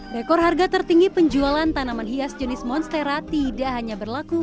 rekor harga tertinggi penjualan tanaman hias jenis monstera tidak hanya berlaku